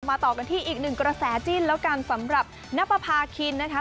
ต่อกันที่อีกหนึ่งกระแสจิ้นแล้วกันสำหรับนับประพาคินนะคะ